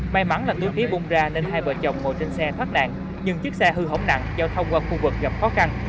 may mắn là túi khí bung ra nên hai vợ chồng ngồi trên xe thoát nạn nhưng chiếc xe hư hổng nặng giao thông qua khu vực gặp khó khăn